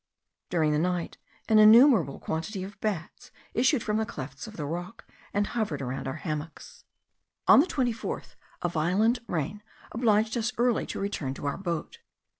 During the night an innumerable quantity of bats issued from the clefts of the rock, and hovered around our hammocks. On the 24th a violent rain obliged us early to return to our boat.